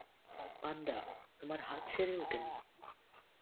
পান্ডা, তোমার হাত সেরে ওঠেনি!